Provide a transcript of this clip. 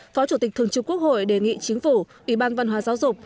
phó chủ tịch thường trực quốc hội đề nghị chính phủ ủy ban văn hóa giáo dục